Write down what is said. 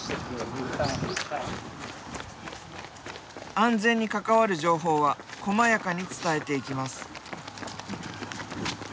安全に関わる情報はこまやかに伝えていきます。